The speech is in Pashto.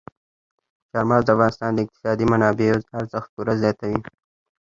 چار مغز د افغانستان د اقتصادي منابعو ارزښت پوره زیاتوي.